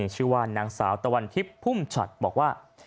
ชื่อว่านางสาวตะวันทิพย์พุ่มฉัดบอกว่า